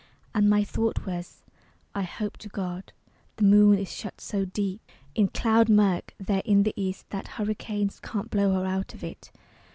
And my thought was, "I hope to God the moon is shut so deep In cloud murk there in the East that hurricanes Can't blow her out of it."